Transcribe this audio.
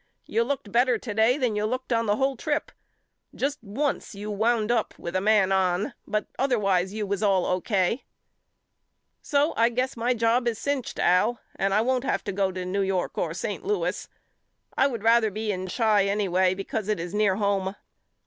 You looked bet ter to day than you looked on the whole trip. Just once you wound up with a man on but other wise you was all O. K. So I guess my job is A BUSKER'S LETTERS HOME 31 cinched Al and I won't have to go to New York or St. Louis. I would rather be in Chi anyway because it is near home.